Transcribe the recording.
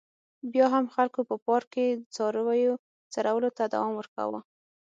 بیا هم خلکو په پارک کې څارویو څرولو ته دوام ورکاوه.